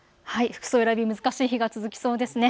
服装選び、難しい日が続きそうですね。